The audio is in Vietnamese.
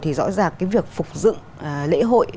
thì rõ ràng cái việc phục dựng lễ hội